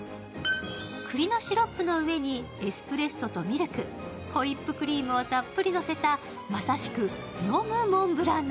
栗のシロップの上にエスプレッソとミルク、ホイップクリームをたっぷりのせた、まさしく飲むモンブラン